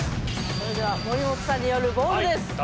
それでは森本さんによる「ボール」です。